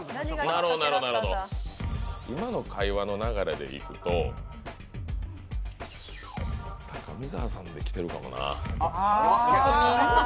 なるほど、今の会話の流れでいくと、高見沢さんできてるのかな。